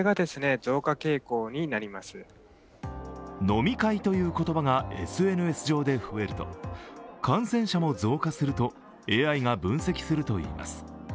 飲み会という言葉がＳＮＳ上で増えると感染者も増加するとＡＩが分析するといいます。